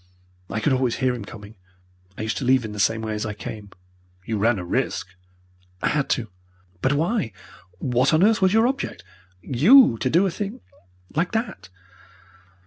I could always hear him coming. I used to leave in the same way as I came." "You ran a risk." "I had to." "But why? What on earth was your object YOU to do a thing like that!"